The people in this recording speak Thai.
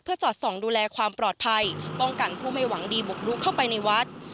สอดส่องดูแลความปลอดภัยป้องกันผู้ไม่หวังดีบุกลุกเข้าไปในวัด